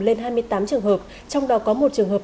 lên hai mươi tám trường hợp trong đó có một trường hợp